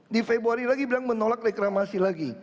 di februari lagi bilang menolak reklamasi lagi